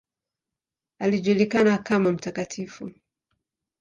Alijulikana kama ""Mt.